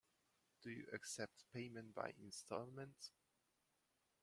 Do you accept payment by instalments?